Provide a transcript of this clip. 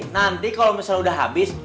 nanti kalau misalnya sudah habis